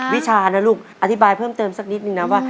วิชานะลูกอธิบายเพิ่มเติมสักนิดนึงนะว่า